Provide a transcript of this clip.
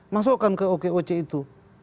masukkan ke okoc itu